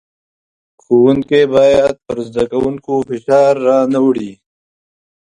ښوونکی بايد پر زدکوونکو فشار را نۀ وړي.